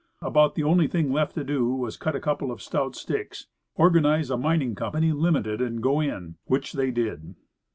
About the only thing left to do was to cut a couple of stout sticks, organize a mining company, limited, and go in; which they did.